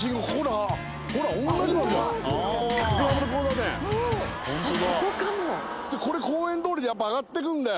「あっここかも」でこれ公園通りでやっぱ上がってくんだよ。